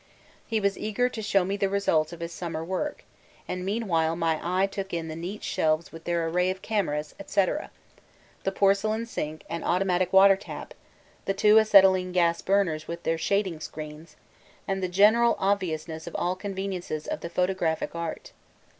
He was eager to show me the results of his summer work, and meanwhile my eye took in the neat shelves with their array of cameras, &c., the porcelain sink and automatic water tap, the two acetylene gas burners with their shading screens, and the general obviousness of all conveniences of the photographic art.